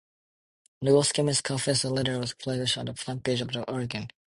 Goldschmidt's confessional letter was published on the front page of "The Oregonian".